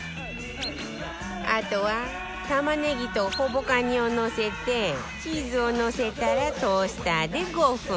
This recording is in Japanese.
あとは玉ねぎとほぼカニをのせてチーズをのせたらトースターで５分